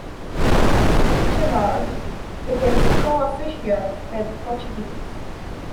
In East Timor it is co-official with Portuguese.